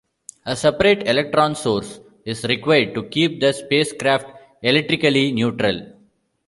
A separate electron source is required to keep the spacecraft electrically neutral.